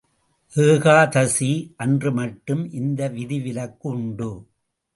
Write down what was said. ஏகாதசி அன்று மட்டும் இந்த விதி விலக்கு உண்டு.